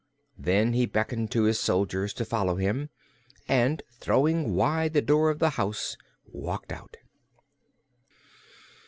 Then he beckoned to his soldiers to follow him, and throwing wide the door of the house walked out.